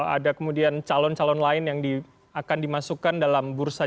ada kemudian calon calon lain yang akan dimasukkan dalam bursa